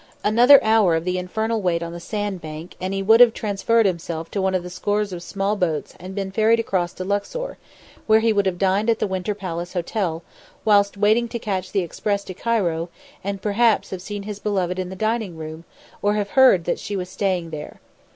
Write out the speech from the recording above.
Another hour of the infernal wait on the sandbank, and he would have transferred himself to one of the scores of small boats and been ferried across to Luxor, where he would have dined at the Winter Palace Hotel, whilst waiting to catch the express to Cairo, and perhaps have seen his beloved in the dining room, or have heard that she was staying there.